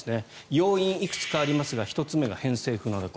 要因、いくつかありますが１つ目が偏西風の蛇行。